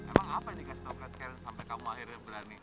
emang apa yang dikasih toplet sekarang sampai kamu akhirnya berani